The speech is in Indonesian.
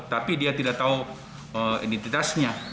tapi dia tidak tahu identitasnya